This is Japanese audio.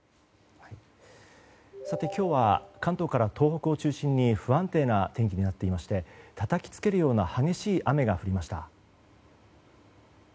今日は関東から東北を中心に不安定な天気になっていましてたたきつけるような激しい雨が降りました。